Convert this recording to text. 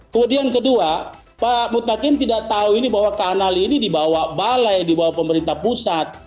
kemudian kedua pak mutakin tidak tahu ini bahwa kanal ini dibawa balai dibawa pemerintah pusat